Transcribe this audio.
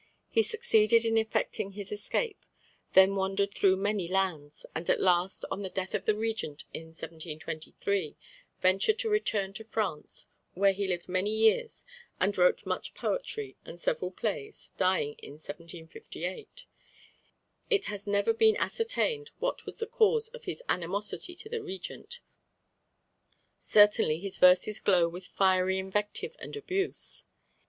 He succeeded in effecting his escape; then wandered through many lands; and at last, on the death of the Regent in 1723, ventured to return to France, where he lived many years and wrote much poetry and several plays, dying in 1758. It has never been ascertained what was the cause of his animosity to the Regent; certainly his verses glow with fiery invective and abuse.